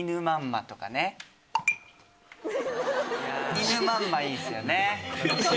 犬まんまいいですよね。